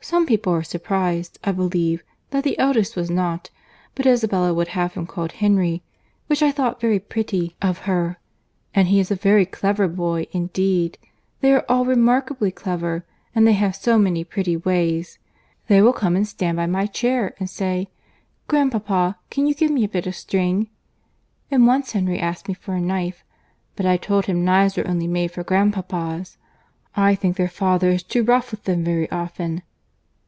Some people are surprized, I believe, that the eldest was not, but Isabella would have him called Henry, which I thought very pretty of her. And he is a very clever boy, indeed. They are all remarkably clever; and they have so many pretty ways. They will come and stand by my chair, and say, 'Grandpapa, can you give me a bit of string?' and once Henry asked me for a knife, but I told him knives were only made for grandpapas. I think their father is too rough with them very often."